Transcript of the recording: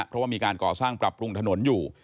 เพราะว่ามีการก่อสร้างปรับปรุงถนนอยู่